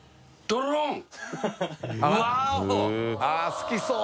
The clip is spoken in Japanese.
好きそう！